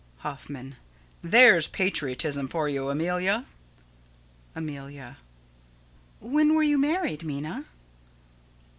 Hoffman: There's patriotism for you, Amelia! Amelia: When were you married, Minna?